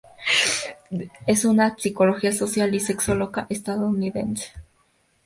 Es una psicóloga social y sexóloga estadounidense.